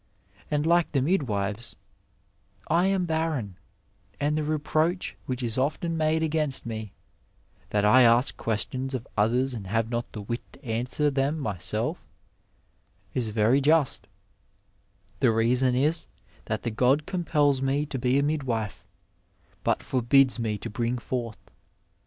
And like the midwives, I am barren, and the reproach which is often made against me, that I ask questions of others and have not the wit to answer them myself, is very just ; the reason is, that the god compels me to be a midwife, but forbids me to bring forth.